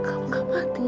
kamu enggak mati